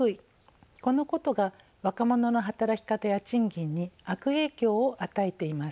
このことが若者の働き方や賃金に悪影響を与えています。